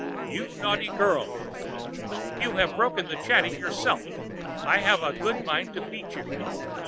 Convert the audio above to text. "You naughty girl," she said, "you have broken the chatty yourself. I have a good mind to beat you."